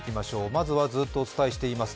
まずはずっとお伝えしています